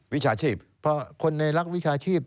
เพราะคนในลักษณ์วิชาชีพ